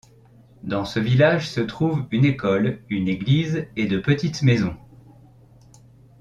Dans ce village se trouve une école, une église et de petites maisons.